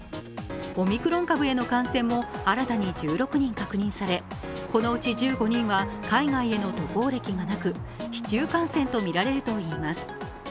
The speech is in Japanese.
オミクロン株への感染も新たに１６人確認されこのうち１５人は海外への渡航歴がなく市中感染とみられるといいます。